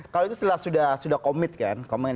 kalau itu setelah sudah komit kan